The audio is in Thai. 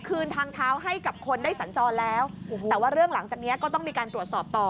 คืนทางเท้าให้กับคนได้สัญจรแล้วแต่ว่าเรื่องหลังจากเนี้ยก็ต้องมีการตรวจสอบต่อ